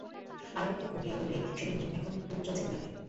আয়া উঠল গুমরিয়ে, বললে, সেদিন নেই, এখন লুঠ চলছে দু হাতে।